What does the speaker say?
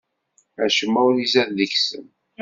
Acemma ur izad deg-sen.